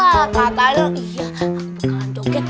kak tanya iya aku bakalan joget